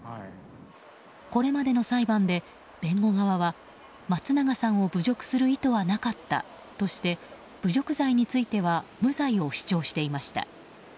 これまでの裁判で弁護側は松永さんを侮辱する意図はなかったとして侮辱罪については無罪を主張していました。